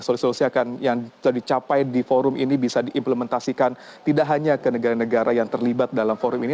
solusi solusi yang sudah dicapai di forum ini bisa diimplementasikan tidak hanya ke negara negara yang terlibat dalam forum ini